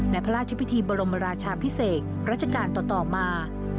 พระราชพิธีบรมราชาพิเศษรัชกาลต่อมา